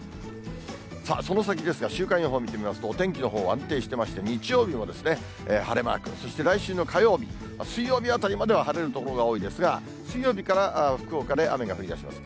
その先ですが、週間予報を見てみますと、お天気のほうは安定してまして、日曜日は晴れマーク、そして来週の火曜日、水曜日あたりまでは晴れる所が多いですが、水曜日から福岡で雨が降りだします。